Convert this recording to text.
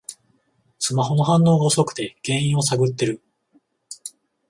スマホの反応が遅くて原因を探ってる